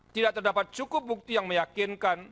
tidak terdapat cukup bukti yang meyakinkan